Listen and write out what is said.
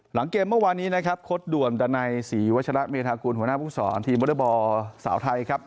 หลังเกมเมื่อวานนี้นะครับโค้ดด่วนดันัยศรีวัชระเมธากุลหัวหน้าผู้สอนทีมวอเตอร์บอลสาวไทยครับ